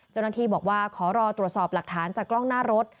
เจ้าหน้าที่บอกว่าขอรอตรวจสอบหลักฐานจากกล้องหน้ารถ